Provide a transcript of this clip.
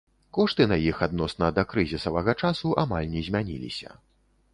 Кошты на іх адносна дакрызісавага часу амаль не змяніліся.